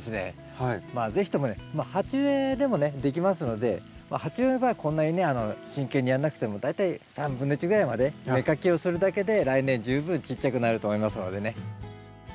是非ともね鉢植えでもねできますので鉢植えの場合はこんなにね真剣にやんなくても大体1/3ぐらいまで芽かきをするだけで来年十分ちっちゃくなると思いますのでね。